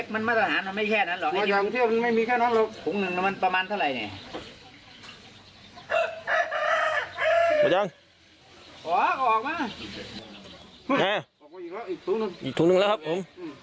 มันมาตรฐานแล้วไม่แค่ดังล่ะเลย๐๙มันประมาณเท่าไร